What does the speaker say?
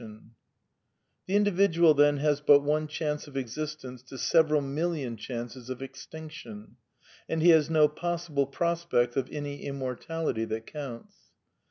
PAN PSTCHISM OF SAMUEL BUTLER 33 The individual^ then, has but one chance of existence to several million chances of extinction, and he has no pos sible prospect of any immortality that counts.